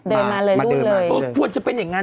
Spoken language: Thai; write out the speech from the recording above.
เดินมาเลยมาเดินมาเลยโอ้ควรจะเป็นอย่างนั้นนะ